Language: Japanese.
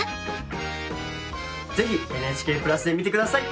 是非ＮＨＫプラスで見て下さい。